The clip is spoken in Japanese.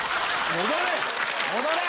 戻れ！